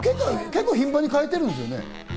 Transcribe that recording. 結構、頻繁に変えてるんですよね。